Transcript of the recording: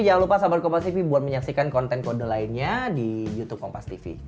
jangan lupa salam ke kompastv buat menyaksikan konten kode lainnya di youtube kompastv